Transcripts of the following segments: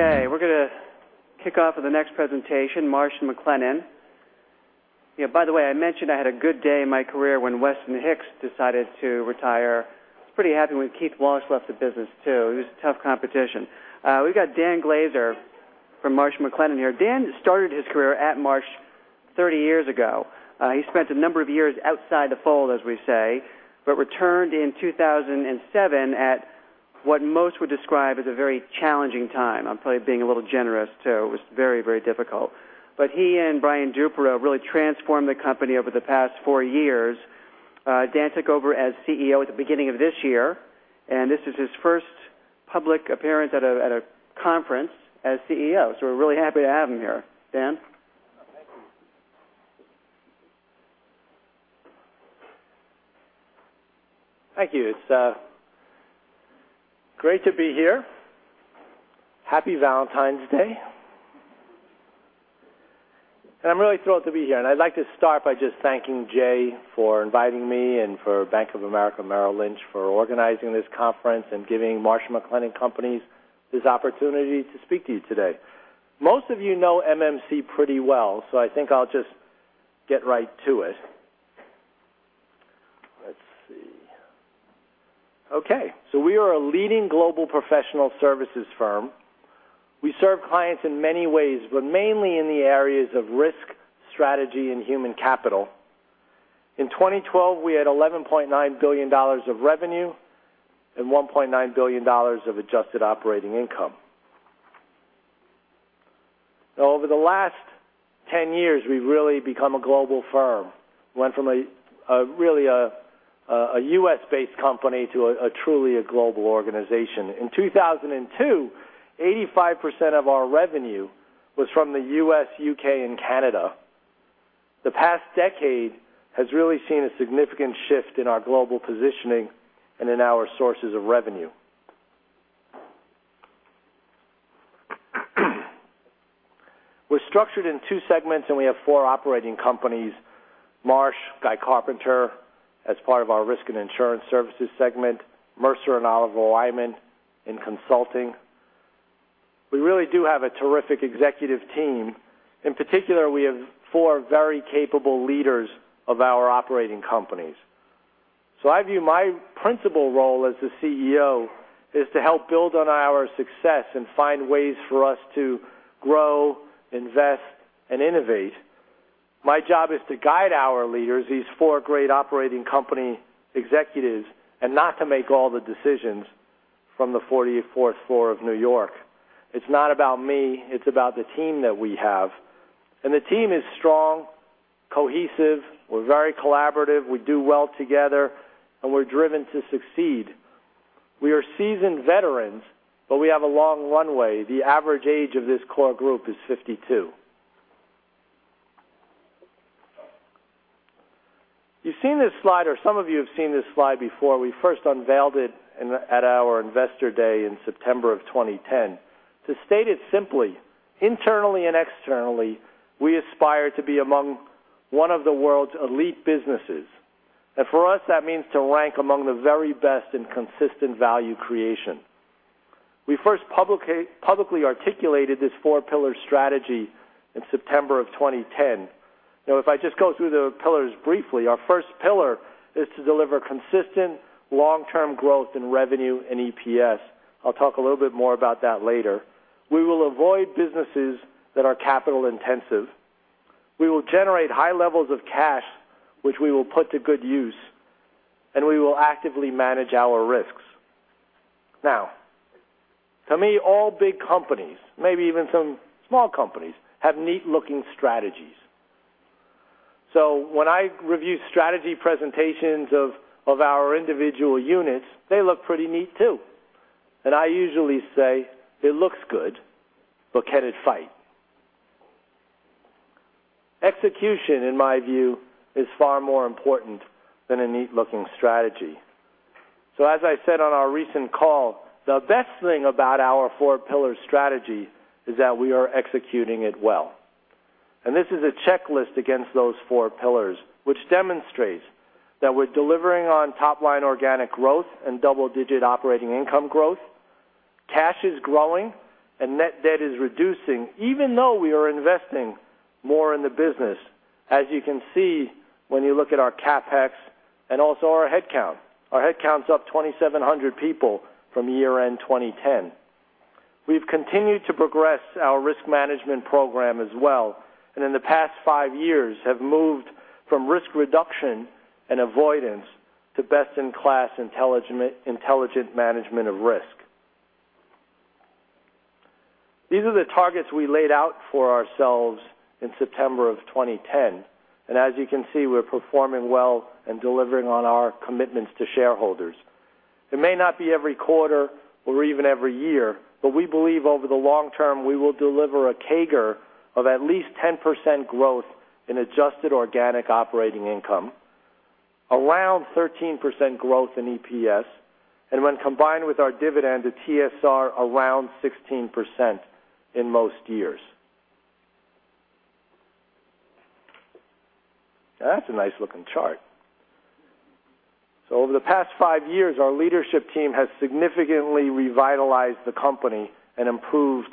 Okay, we're going to kick off with the next presentation, Marsh & McLennan. By the way, I mentioned I had a good day in my career when Weston Hicks decided to retire. I was pretty happy when Keith Wallace left the business too. He was tough competition. We've got Dan Glaser from Marsh & McLennan here. Dan started his career at Marsh 30 years ago. He spent a number of years outside the fold, as we say, but returned in 2007 at what most would describe as a very challenging time. I'm probably being a little generous too. It was very difficult. He and Brian Duperreault really transformed the company over the past four years. Dan took over as CEO at the beginning of this year, and this is his first public appearance at a conference as CEO. We're really happy to have him here. Dan? Thank you. It's great to be here. Happy Valentine's Day. I'm really thrilled to be here. I'd like to start by just thanking Jay for inviting me, and for Bank of America Merrill Lynch for organizing this conference and giving Marsh & McLennan Companies this opportunity to speak to you today. Most of you know MMC pretty well, so I think I'll just get right to it. Let's see. Okay, we are a leading global professional services firm. We serve clients in many ways, but mainly in the areas of risk, strategy, and human capital. In 2012, we had $11.9 billion of revenue and $1.9 billion of adjusted operating income. Over the last 10 years, we've really become a global firm. Went from really a U.S.-based company to truly a global organization. In 2002, 85% of our revenue was from the U.S., U.K., and Canada. The past decade has really seen a significant shift in our global positioning and in our sources of revenue. We're structured in two segments, and we have four operating companies, Marsh, Guy Carpenter, as part of our risk and insurance services segment, Mercer and Oliver Wyman in consulting. We really do have a terrific executive team. In particular, we have four very capable leaders of our operating companies. I view my principal role as the CEO is to help build on our success and find ways for us to grow, invest, and innovate. My job is to guide our leaders, these four great operating company executives, and not to make all the decisions from the 44th floor of New York. It's not about me, it's about the team that we have. The team is strong, cohesive, we're very collaborative, we do well together, and we're driven to succeed. We are seasoned veterans, we have a long runway. The average age of this core group is 52. You've seen this slide, or some of you have seen this slide before. We first unveiled it at our Investor Day in September of 2010. To state it simply, internally and externally, we aspire to be among one of the world's elite businesses. For us, that means to rank among the very best in consistent value creation. We first publicly articulated this four-pillar strategy in September of 2010. If I just go through the pillars briefly, our first pillar is to deliver consistent long-term growth in revenue and EPS. I'll talk a little bit more about that later. We will avoid businesses that are capital intensive. We will generate high levels of cash, which we will put to good use, and we will actively manage our risks. To me, all big companies, maybe even some small companies, have neat looking strategies. When I review strategy presentations of our individual units, they look pretty neat too. I usually say, "It looks good, but can it fight?" Execution, in my view, is far more important than a neat looking strategy. As I said on our recent call, the best thing about our four pillar strategy is that we are executing it well. This is a checklist against those four pillars, which demonstrates that we are delivering on top line organic growth and double-digit operating income growth. Cash is growing and net debt is reducing, even though we are investing more in the business, as you can see when you look at our CapEx and also our headcount. Our headcount's up 2,700 people from year-end 2010. We've continued to progress our risk management program as well. In the past five years have moved from risk reduction and avoidance to best-in-class intelligent management of risk. These are the targets we laid out for ourselves in September of 2010. As you can see, we're performing well and delivering on our commitments to shareholders. It may not be every quarter or even every year, we believe over the long term, we will deliver a CAGR of at least 10% growth in adjusted organic operating income, around 13% growth in EPS, and when combined with our dividend, a TSR around 16% in most years. That's a nice looking chart. Over the past five years, our leadership team has significantly revitalized the company and improved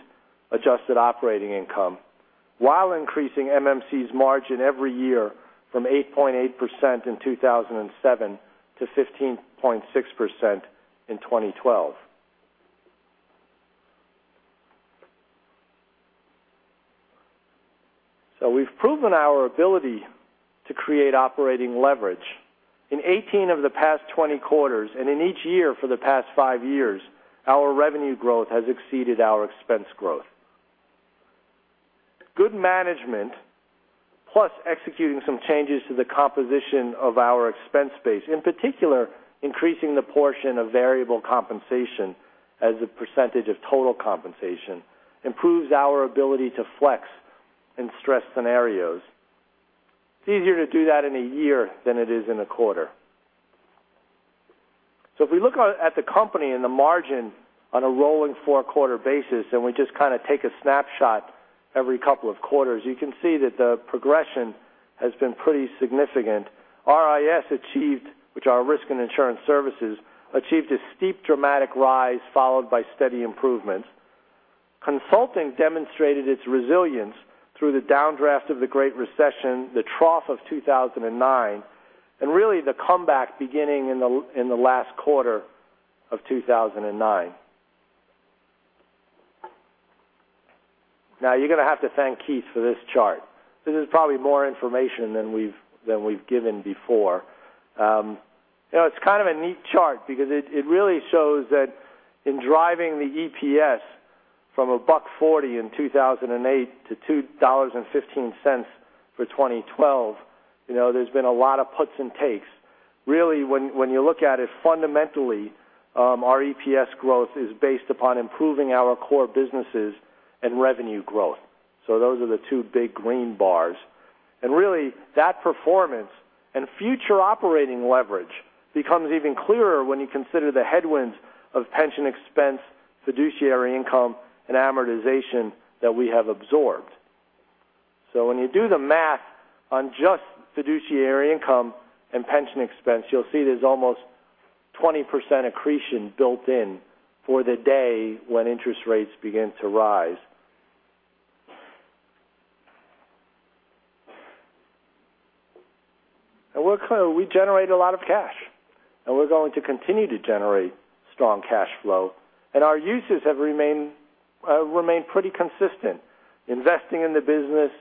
adjusted operating income, while increasing MMC's margin every year from 8.8% in 2007 to 15.6% in 2012. We've proven our ability to create operating leverage. In 18 of the past 20 quarters, in each year for the past five years, our revenue growth has exceeded our expense growth. Good management, plus executing some changes to the composition of our expense base, in particular, increasing the portion of variable compensation as a percentage of total compensation, improves our ability to flex in stress scenarios. It's easier to do that in a year than it is in a quarter. If we look at the company and the margin on a rolling four-quarter basis, we just kind of take a snapshot every couple of quarters, you can see that the progression has been pretty significant. RIS, which is our Risk and Insurance Services, achieved a steep dramatic rise, followed by steady improvements. Consulting demonstrated its resilience through the downdraft of the Great Recession, the trough of 2009, the comeback beginning in the last quarter of 2009. You're going to have to thank Keith for this chart. This is probably more information than we've given before. It's kind of a neat chart because it really shows that in driving the EPS from $1.40 in 2008 to $2.15 for 2012, there's been a lot of puts and takes. Really, when you look at it fundamentally, our EPS growth is based upon improving our core businesses and revenue growth. Those are the two big green bars. Really, that performance and future operating leverage becomes even clearer when you consider the headwinds of pension expense, fiduciary income, and amortization that we have absorbed. When you do the math on just fiduciary income and pension expense, you'll see there's almost 20% accretion built in for the day when interest rates begin to rise. We're clear, we generate a lot of cash, and we're going to continue to generate strong cash flow. Our uses have remained pretty consistent, investing in the business,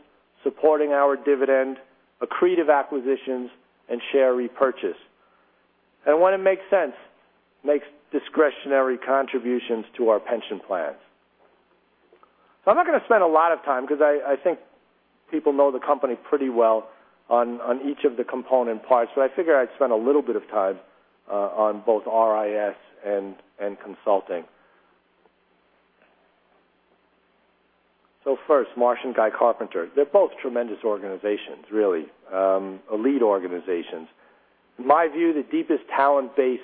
supporting our dividend, accretive acquisitions, and share repurchase. When it makes sense, makes discretionary contributions to our pension plans. I'm not going to spend a lot of time because I think people know the company pretty well on each of the component parts. I figure I'd spend a little bit of time on both RIS and Consulting. First, Marsh & Guy Carpenter. They're both tremendous organizations, really, elite organizations. In my view, the deepest talent base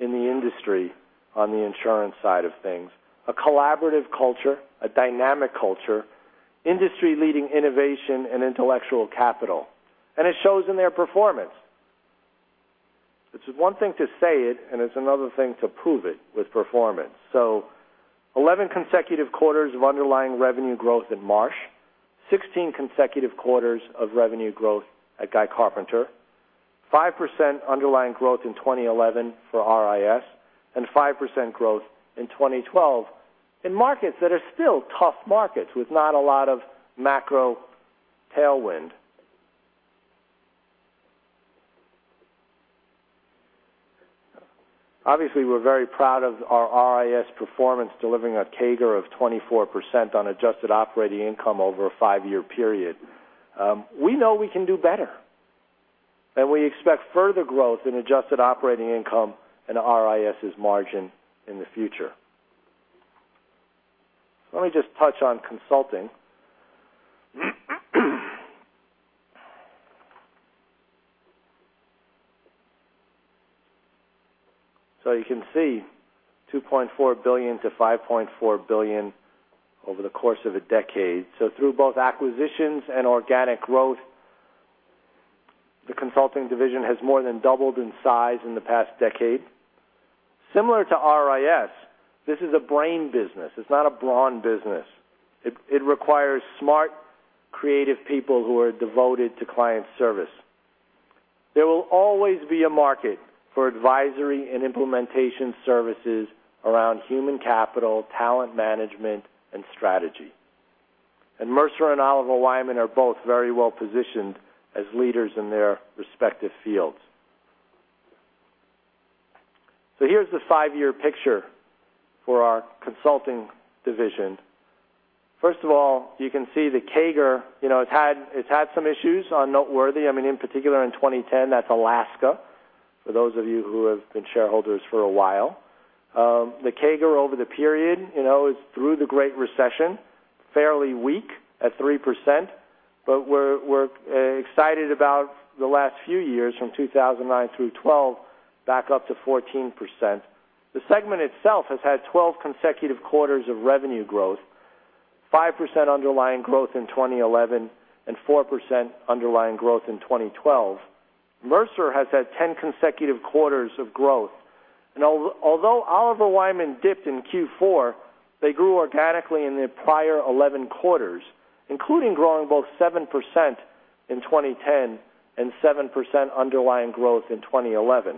in the industry on the insurance side of things, a collaborative culture, a dynamic culture, industry-leading innovation and intellectual capital, and it shows in their performance. It's one thing to say it and it's another thing to prove it with performance. 11 consecutive quarters of underlying revenue growth in Marsh, 16 consecutive quarters of revenue growth at Guy Carpenter, 5% underlying growth in 2011 for RIS, 5% growth in 2012 in markets that are still tough markets with not a lot of macro tailwind. Obviously, we're very proud of our RIS performance, delivering a CAGR of 24% on adjusted operating income over a five-year period. We know we can do better, and we expect further growth in adjusted operating income and RIS's margin in the future. Let me just touch on consulting. You can see, $2.4 billion-$5.4 billion over the course of a decade. Through both acquisitions and organic growth, the consulting division has more than doubled in size in the past decade. Similar to RIS, this is a brain business. It's not a brawn business. It requires smart, creative people who are devoted to client service. There will always be a market for advisory and implementation services around human capital, talent management, and strategy. Mercer and Oliver Wyman are both very well-positioned as leaders in their respective fields. Here's the five-year picture for our consulting division. First of all, you can see the CAGR. It's had some issues noteworthy. In particular in 2010, that's Alaska, for those of you who have been shareholders for a while. The CAGR over the period is through the Great Recession, fairly weak at 3%, but we're excited about the last few years from 2009 through 2012, back up to 14%. The segment itself has had 12 consecutive quarters of revenue growth. 5% underlying growth in 2011, 4% underlying growth in 2012. Mercer has had 10 consecutive quarters of growth. Although Oliver Wyman dipped in Q4, they grew organically in the prior 11 quarters, including growing both 7% in 2010, 7% underlying growth in 2011.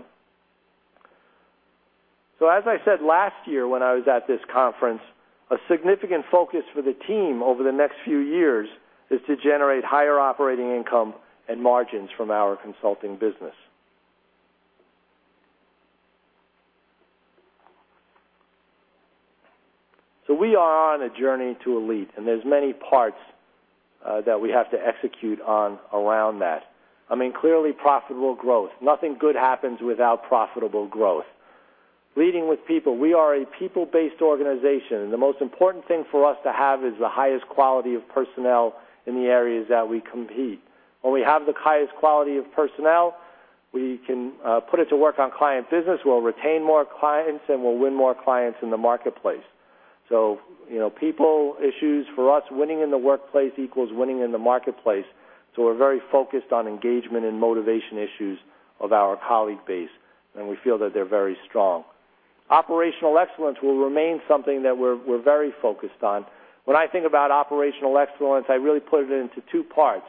As I said last year when I was at this conference, a significant focus for the team over the next few years is to generate higher operating income and margins from our consulting business. We are on a journey to elite, and there's many parts that we have to execute on around that. Clearly, profitable growth. Nothing good happens without profitable growth. Leading with people. We are a people-based organization, and the most important thing for us to have is the highest quality of personnel in the areas that we compete. When we have the highest quality of personnel, we can put it to work on client business. We'll retain more clients, and we'll win more clients in the marketplace. People issues for us, winning in the workplace equals winning in the marketplace. We're very focused on engagement and motivation issues of our colleague base, and we feel that they're very strong. Operational excellence will remain something that we're very focused on. When I think about operational excellence, I really put it into two parts: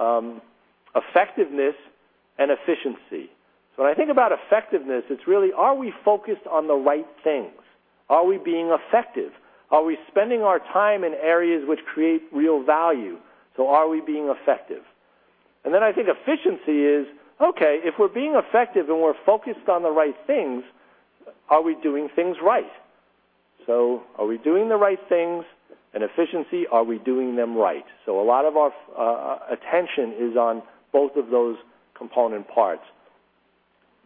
effectiveness and efficiency. When I think about effectiveness, it's really, are we focused on the right things? Are we being effective? Are we spending our time in areas which create real value? Are we being effective? I think efficiency is, okay, if we're being effective and we're focused on the right things, are we doing things right? Are we doing the right things, and efficiency, are we doing them right? A lot of our attention is on both of those component parts.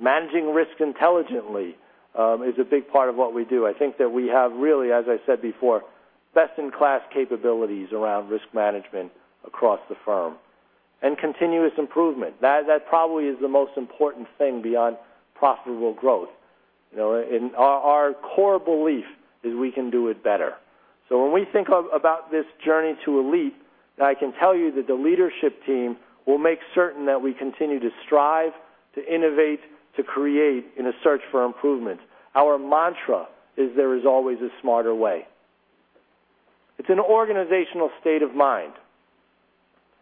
Managing risk intelligently is a big part of what we do. I think that we have really, as I said before, best-in-class capabilities around risk management across the firm. Continuous improvement. That probably is the most important thing beyond profitable growth. Our core belief is we can do it better. When we think about this journey to elite, I can tell you that the leadership team will make certain that we continue to strive, to innovate, to create in a search for improvement. Our mantra is, there is always a smarter way. It's an organizational state of mind,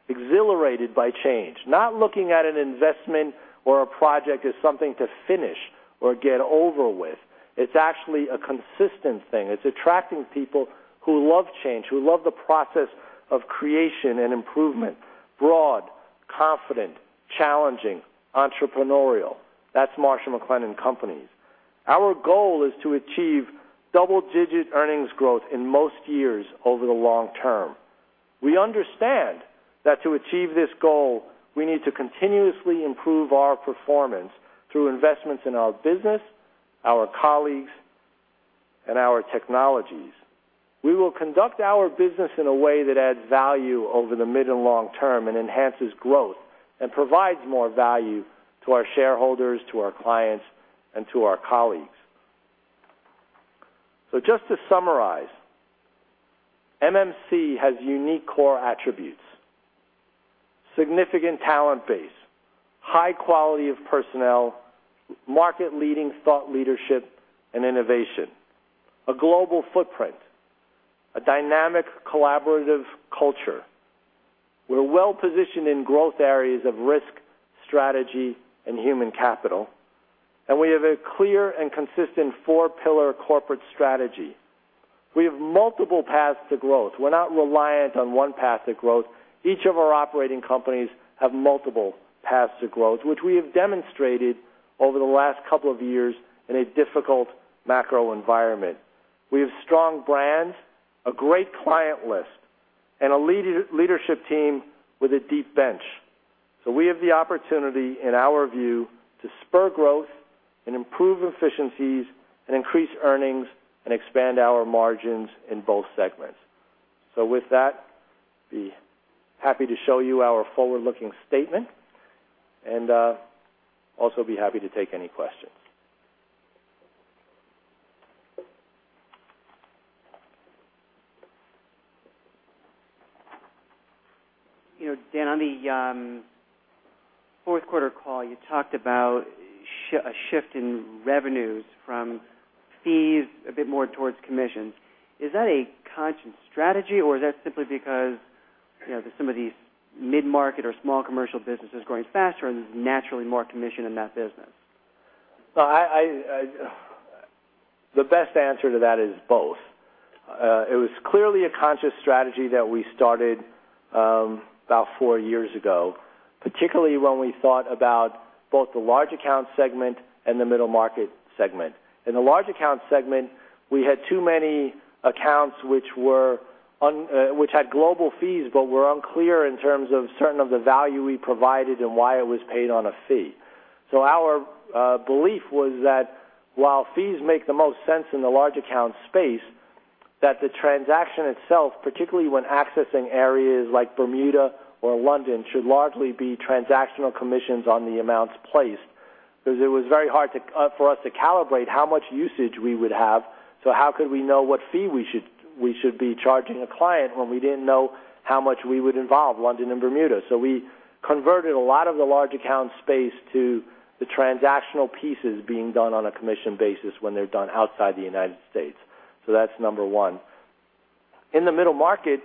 exhilarated by change. Not looking at an investment or a project as something to finish or get over with. It's actually a consistent thing. It's attracting people who love change, who love the process of creation and improvement. Broad, confident, challenging, entrepreneurial. That's Marsh & McLennan Companies. Our goal is to achieve double-digit earnings growth in most years over the long term. We understand that to achieve this goal, we need to continuously improve our performance through investments in our business, our colleagues, and our technologies. We will conduct our business in a way that adds value over the mid and long term and enhances growth and provides more value to our shareholders, to our clients, and to our colleagues. Just to summarize, MMC has unique core attributes, significant talent base, high quality of personnel, market-leading thought leadership and innovation, a global footprint, a dynamic collaborative culture. We're well-positioned in growth areas of risk, strategy, and human capital, and we have a clear and consistent four-pillar corporate strategy. We have multiple paths to growth. We're not reliant on one path to growth. Each of our operating companies have multiple paths to growth, which we have demonstrated over the last couple of years in a difficult macro environment. We have strong brands, a great client list, and a leadership team with a deep bench. We have the opportunity, in our view, to spur growth and improve efficiencies and increase earnings and expand our margins in both segments. With that, be happy to show you our forward-looking statement, and also be happy to take any questions. Dan, on the fourth quarter call, you talked about a shift in revenues from fees a bit more towards commissions. Is that a conscious strategy, or is that simply because some of these mid-market or small commercial businesses growing faster and there's naturally more commission in that business? The best answer to that is both. It was clearly a conscious strategy that we started about four years ago, particularly when we thought about both the large account segment and the middle market segment. In the large account segment, we had too many accounts which had global fees but were unclear in terms of certain of the value we provided and why it was paid on a fee. Our belief was that while fees make the most sense in the large account space, that the transaction itself, particularly when accessing areas like Bermuda or London, should largely be transactional commissions on the amounts placed. It was very hard for us to calibrate how much usage we would have, so how could we know what fee we should be charging a client when we didn't know how much we would involve London and Bermuda? We converted a lot of the large account space to the transactional pieces being done on a commission basis when they're done outside the U.S. That's number one. In the middle market,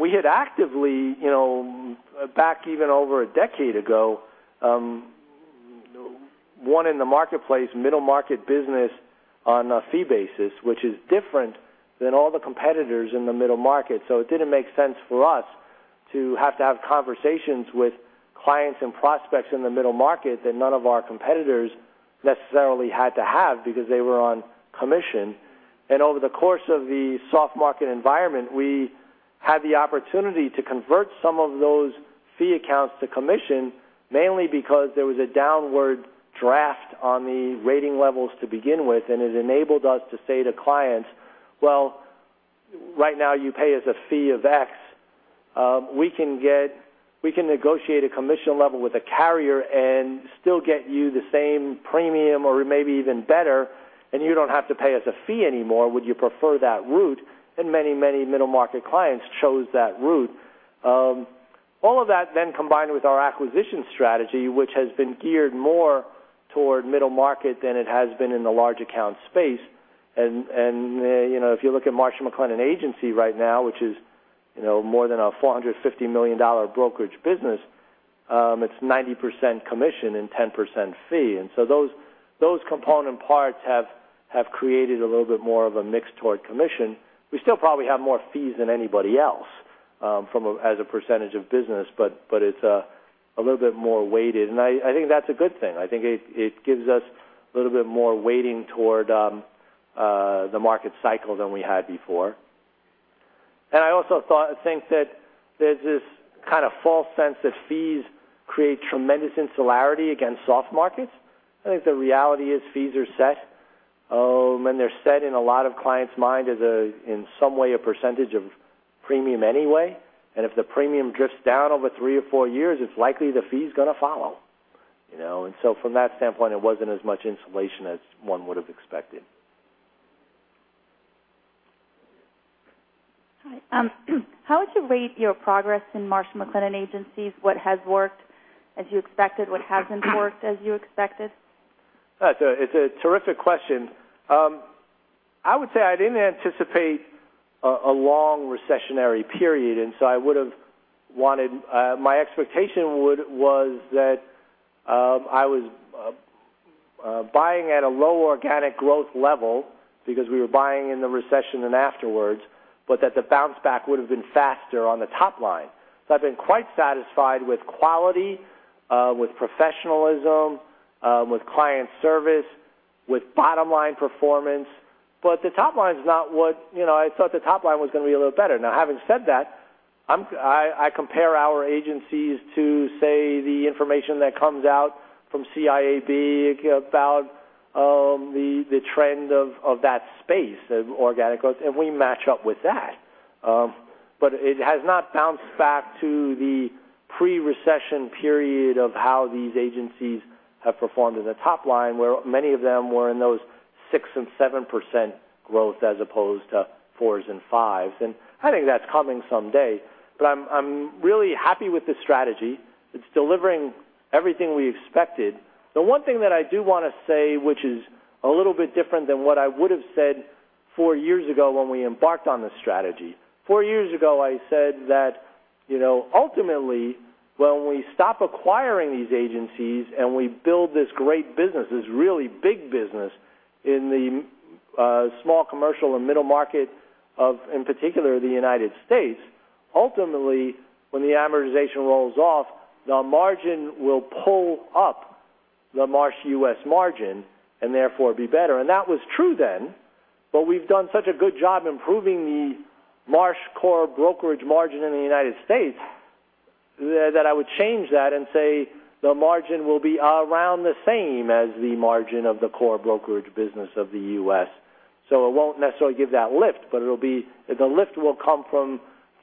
we had actively, back even over a decade ago, won in the marketplace middle market business on a fee basis, which is different than all the competitors in the middle market. It didn't make sense for us to have to have conversations with clients and prospects in the middle market that none of our competitors necessarily had to have because they were on commission. Over the course of the soft market environment, we had the opportunity to convert some of those fee accounts to commission, mainly because there was a downward draft on the rating levels to begin with. It enabled us to say to clients, "Well, right now you pay us a fee of X. We can negotiate a commission level with a carrier and still get you the same premium or maybe even better, and you don't have to pay us a fee anymore. Would you prefer that route?" Many middle-market clients chose that route. That combined with our acquisition strategy, which has been geared more toward middle market than it has been in the large account space. If you look at Marsh McLennan Agency right now, which is more than a $450 million brokerage business, it's 90% commission and 10% fee. Those component parts have created a little bit more of a mix toward commission. We still probably have more fees than anybody else as a percentage of business, but it's a little bit more weighted, and I think that's a good thing. I think it gives us a little bit more weighting toward the market cycle than we had before. I also think that there's this kind of false sense that fees create tremendous insularity against soft markets. I think the reality is fees are set, and they're set in a lot of clients' mind as in some way a percentage of premium anyway. If the premium drifts down over three or four years, it's likely the fee's going to follow. From that standpoint, it wasn't as much insulation as one would have expected. Hi. How would you rate your progress in Marsh McLennan agencies? What has worked as you expected? What hasn't worked as you expected? That's a terrific question. I would say I didn't anticipate a long recessionary period. My expectation was that I was buying at a low organic growth level because we were buying in the recession and afterwards, but that the bounce back would've been faster on the top line. I've been quite satisfied with quality, with professionalism, with client service, with bottom line performance. I thought the top line was going to be a little better. Now, having said that, I compare our agencies to, say, the information that comes out from CIAB about the trend of that space, of organic growth. We match up with that. It has not bounced back to the pre-recession period of how these agencies have performed in the top line, where many of them were in those 6% and 7% growth as opposed to fours and fives. I think that's coming someday. I'm really happy with this strategy. It's delivering everything we expected. The one thing that I do want to say, which is a little bit different than what I would have said four years ago when we embarked on this strategy. Four years ago, I said that ultimately, when we stop acquiring these agencies and we build this great business, this really big business in the small commercial and middle market of, in particular, the United States, ultimately, when the amortization rolls off, the margin will pull up the Marsh U.S. margin and therefore be better. That was true then, but we've done such a good job improving the Marsh core brokerage margin in the United States, that I would change that and say the margin will be around the same as the margin of the core brokerage business of the U.S. It won't necessarily give that lift, but the lift will come from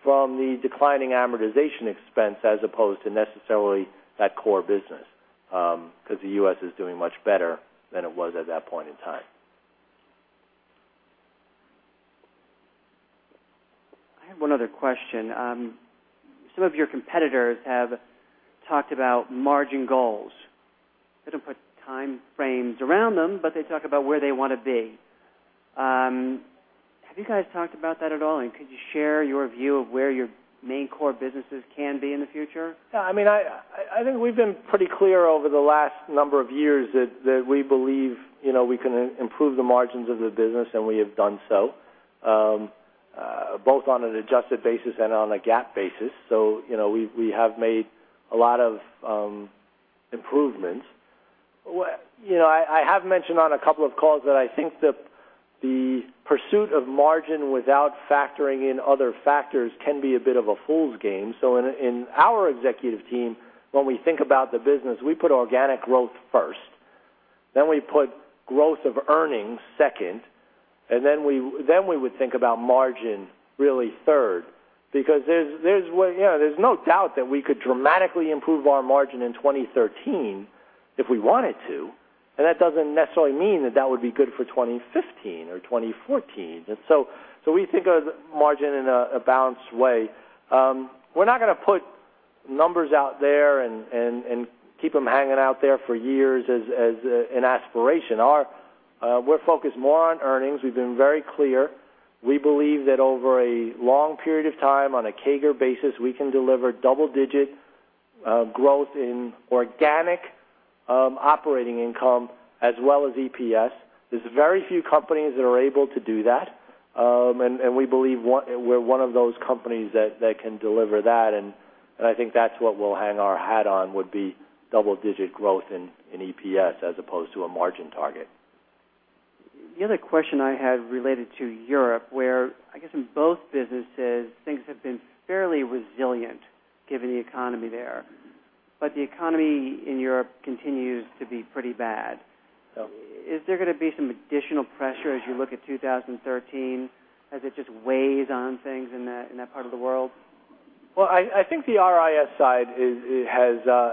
the declining amortization expense as opposed to necessarily that core business, because the U.S. is doing much better than it was at that point in time. I have one other question. Some of your competitors have talked about margin goals. They don't put time frames around them, but they talk about where they want to be. Have you guys talked about that at all, and could you share your view of where your main core businesses can be in the future? Yeah, I think we've been pretty clear over the last number of years that we believe we can improve the margins of the business, and we have done so, both on an adjusted basis and on a GAAP basis. We have made a lot of improvements. I have mentioned on a couple of calls that I think that the pursuit of margin without factoring in other factors can be a bit of a fool's game. In our executive team, when we think about the business, we put organic growth first. We put growth of earnings second, and we would think about margin really third, because there's no doubt that we could dramatically improve our margin in 2013 if we wanted to, and that doesn't necessarily mean that that would be good for 2015 or 2014. We think of margin in a balanced way. We're not going to put numbers out there, keep them hanging out there for years as an aspiration. We're focused more on earnings. We've been very clear. We believe that over a long period of time, on a CAGR basis, we can deliver double-digit growth in organic operating income as well as EPS. There's very few companies that are able to do that, we believe we're one of those companies that can deliver that, I think that's what we'll hang our hat on, would be double-digit growth in EPS as opposed to a margin target. The other question I had related to Europe, where I guess in both businesses, things have been fairly resilient given the economy there, the economy in Europe continues to be pretty bad. Yep. Is there going to be some additional pressure as you look at 2013, as it just weighs on things in that part of the world? Well, I think the RIS side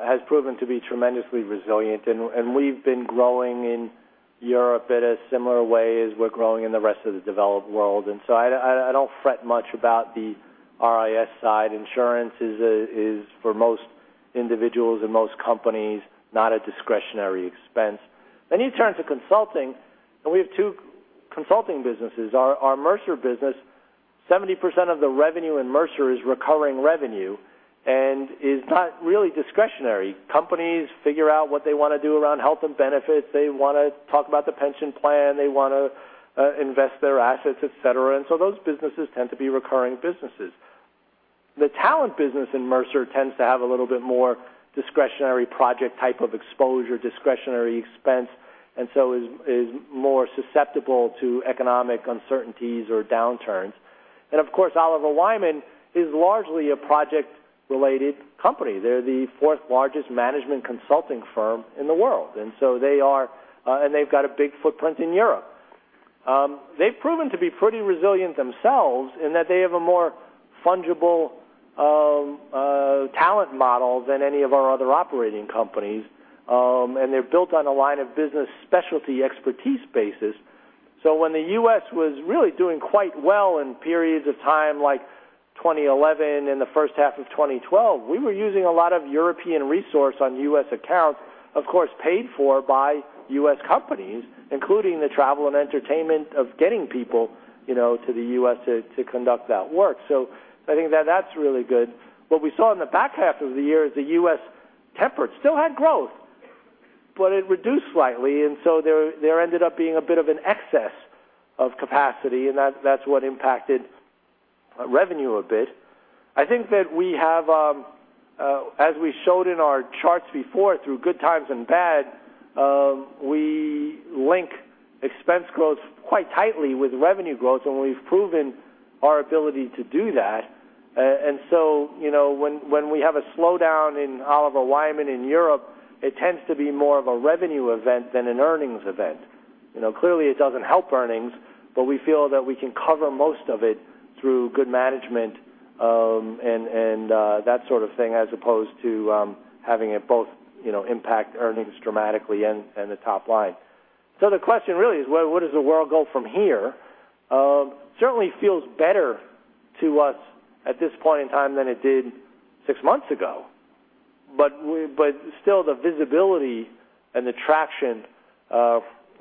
has proven to be tremendously resilient, we've been growing in Europe at a similar way as we're growing in the rest of the developed world. I don't fret much about the RIS side. Insurance is, for most individuals and most companies, not a discretionary expense. You turn to consulting, we have two consulting businesses. Our Mercer business, 70% of the revenue in Mercer is recurring revenue, is not really discretionary. Companies figure out what they want to do around health and benefits. They want to talk about the pension plan. They want to invest their assets, et cetera, those businesses tend to be recurring businesses. The talent business in Mercer tends to have a little bit more discretionary project type of exposure, discretionary expense, is more susceptible to economic uncertainties or downturns. Of course, Oliver Wyman is largely a project-related company. They're the fourth largest management consulting firm in the world. They've got a big footprint in Europe. They've proven to be pretty resilient themselves in that they have a more fungible talent model than any of our other operating companies. They're built on a line of business specialty expertise basis. When the U.S. was really doing quite well in periods of time like 2011 and the first half of 2012, we were using a lot of European resource on U.S. accounts, of course, paid for by U.S. companies, including the travel and entertainment of getting people to the U.S. to conduct that work. I think that that's really good. What we saw in the back half of the year is the U.S. tempered. Still had growth, but it reduced slightly, there ended up being a bit of an excess of capacity, and that's what impacted revenue a bit. I think that we have, as we showed in our charts before, through good times and bad, we link expense growth quite tightly with revenue growth, and we've proven our ability to do that. When we have a slowdown in Oliver Wyman in Europe, it tends to be more of a revenue event than an earnings event. Clearly, it doesn't help earnings, but we feel that we can cover most of it through good management, and that sort of thing, as opposed to having it both impact earnings dramatically and the top line. The question really is: Well, where does the world go from here? Certainly feels better to us at this point in time than it did six months ago. Still, the visibility and the traction,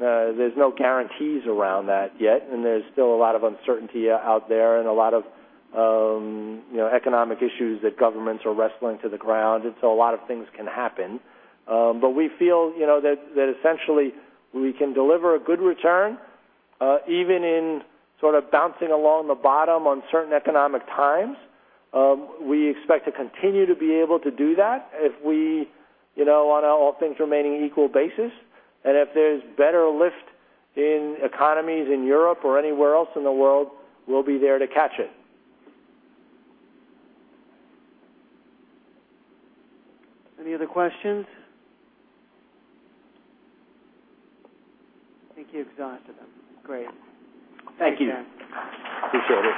there's no guarantees around that yet, and there's still a lot of uncertainty out there and a lot of economic issues that governments are wrestling to the ground, a lot of things can happen. We feel that essentially we can deliver a good return, even in sort of bouncing along the bottom on certain economic times. We expect to continue to be able to do that on an all things remaining equal basis. If there's better lift in economies in Europe or anywhere else in the world, we'll be there to catch it. Any other questions? I think you exhausted them. Great. Thank you. Yeah. Appreciate it.